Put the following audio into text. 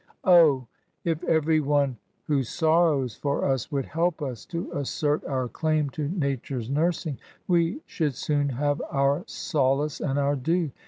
! if every one who sorrows for us would help us to assert our claim to Nature's nursing, we should soon have our solace and our due.